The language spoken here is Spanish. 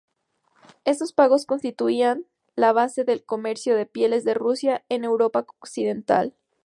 Estos pagos constituían la base del comercio de pieles de Rusia con Europa occidental.